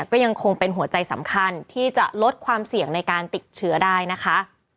ก็ยังคงเป็นหัวใจสำคัญที่จะลดความเสี่ยงในการติดเชื้อได้นะคะ